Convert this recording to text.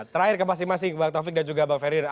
terakhir ke masing masing bang taufik dan juga bang ferry